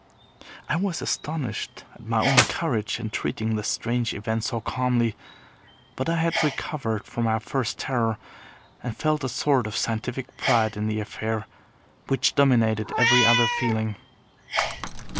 I was astonished at my own courage in treating this strange event so calmly; but I had recovered from my first terror, and felt a sort of scientific pride in the affair, which dominated every other feeling.